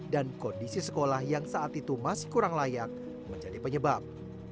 dan kondisi sekolah yang saat itu masih kurang layak menjadi penyebab